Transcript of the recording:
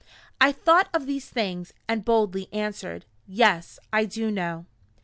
I thought of these things, and boldly answered: "Yes, I do know."